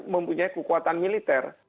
mempunyai kekuatan militer